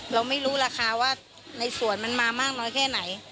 เราไม่รู้ราคาว่าในสวนมันมามากน้อยแค่ไหน